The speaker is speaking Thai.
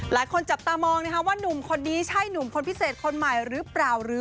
หลายคนจับตามองนะคะว่านุ่มคนนี้ใช่หนุ่มคนพิเศษคนใหม่หรือเปล่าหรือ